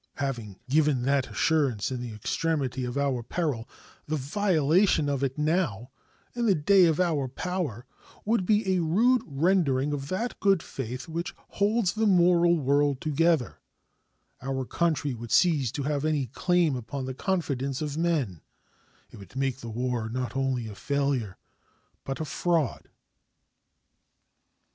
Having given that assurance in the extremity of our peril, the violation of it now, in the day of our power, would be a rude rending of that good faith which holds the moral world together; our country would cease to have any claim upon the confidence of men; it would make the war not only a failure, but a fraud.